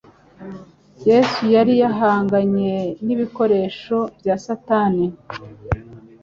Yesu yari yahanganye n'ibikoresho bya Satani,